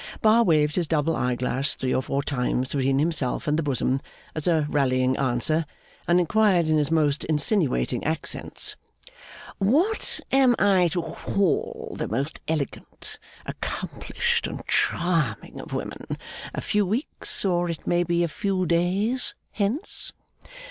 Bar waved his double eye glass three or four times between himself and the Bosom, as a rallying answer, and inquired in his most insinuating accents: 'What am I to call the most elegant, accomplished and charming of women, a few weeks, or it may be a few days, hence?